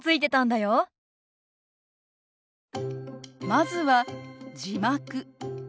まずは「字幕」。